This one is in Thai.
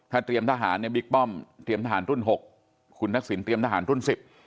เตรียมทหารเนี่ยบิ๊กป้อมเตรียมทหารรุ่นหกคุณทักษิณเตรียมทหารรุ่นสิบ